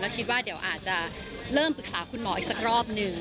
คิดว่าเดี๋ยวอาจจะเริ่มปรึกษาคุณหมออีกสักรอบหนึ่ง